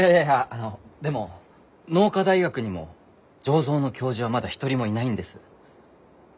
あのでも農科大学にも醸造の教授はまだ一人もいないんです。